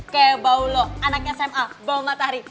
kayak bau lo anak sma bau matahari